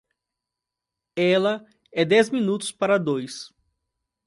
Ela é dez minutos para dois.